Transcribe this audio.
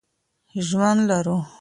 ژوند لرو.